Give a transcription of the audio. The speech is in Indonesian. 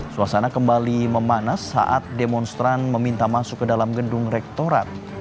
suasana kembali memanas saat demonstran meminta masuk ke dalam gedung rektorat